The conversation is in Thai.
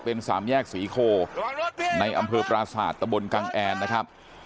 เป็นสามแยกศรีโคในอำเภอปราศาสตร์ตะบนกังแอนนะครับ